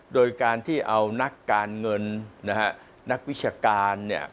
โดยการที่เอานักการเงินนักวิชาการ